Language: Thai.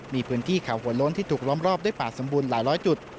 มีพื้นที่เขาหัวโล้นที่ถูกล้อมรอบด้วยป่าสมบูรณ์หลายร้อยจุด